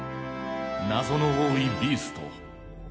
謎の多いビースト。